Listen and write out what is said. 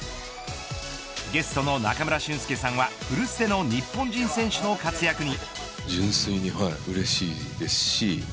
ゲストの中村俊輔さんは古巣での日本人選手の活躍に。